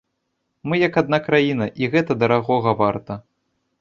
Мы як адна краіна, і гэта дарагога варта.